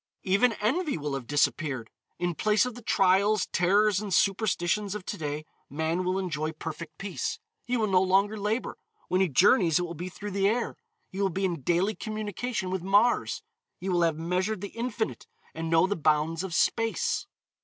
Even envy will have disappeared. In place of the trials, terrors and superstitions of to day, man will enjoy perfect peace. He will no longer labor. When he journeys it will be through the air. He will be in daily communication with Mars, he will have measured the Infinite and know the bounds of Space.